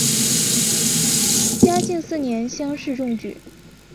嘉靖四年乡试中举。